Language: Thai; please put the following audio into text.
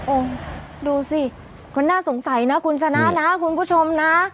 โอ้โหดูสิมันน่าสงสัยนะคุณชนะนะคุณผู้ชมนะ